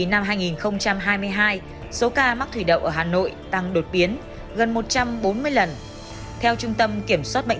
năm hai nghìn hai mươi hai số ca mắc thủy đậu ở hà nội tăng đột biến gần một trăm bốn mươi lần theo trung tâm kiểm soát bệnh